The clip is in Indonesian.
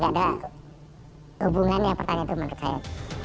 jadi tidak ada hubungan ya pertanyaan itu menurut saya